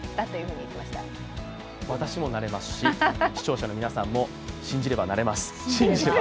私もなれますし、視聴者の皆さんも信じればなれます。